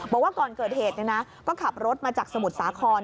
บอกว่าก่อนเกิดเหตุก็ขับรถมาจากสมุทรสาคร